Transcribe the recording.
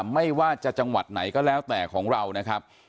ไม่ว่าจะจังหวัดไหนก็แล้วแต่ของเรานะครับ